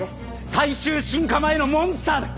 最終進化前のモンスターだ！